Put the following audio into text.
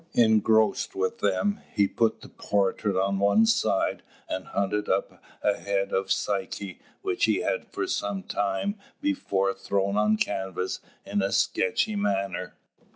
Engrossed with them, he put the portrait on one side and hunted up a head of Psyche which he had some time before thrown on canvas in a sketchy manner.